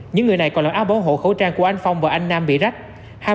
những người này còn mặc áo bảo hộ khẩu trang của anh phong và anh nam bị rách